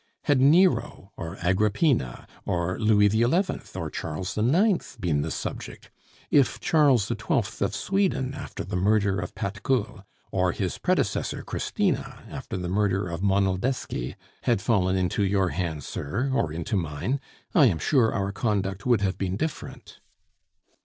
Had Nero, or Agrippina, or Louis the Eleventh, or Charles the Ninth, been the subject; if Charles the Twelfth of Sweden after the murder of Patkul, or his predecessor Christina after the murder of Monaldeschi, had fallen into your hands, sir, or into mine, I am sure our conduct would have been different.